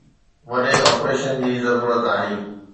وڏي آپريشن جي ضرورت آهي